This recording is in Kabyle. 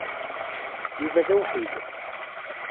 Yuba d awḥid.